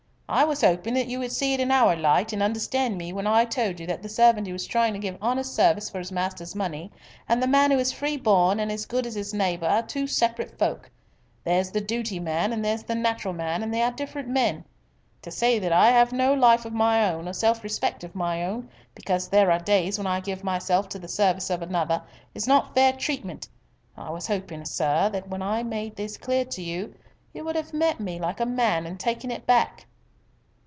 "I was hoping that you would see it in our light and understand me when I told you that the servant who was trying to give honest service for his master's money, and the man who is free born and as good as his neighbour are two separate folk. There's the duty man and there's the natural man, and they are different men. To say that I have no life of my own, or self respect of my own, because there are days when I give myself to the service of another, is not fair treatment. I was hoping, sir, that when I made this clear to you, you would have met me like a man and taken it back."